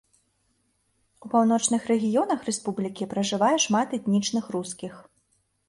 У паўночных рэгіёнах рэспублікі пражывае шмат этнічных рускіх.